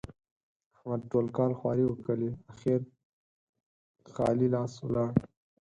احمد ټول کال خواري وکښلې؛ اخېر خالي لاس ولاړ.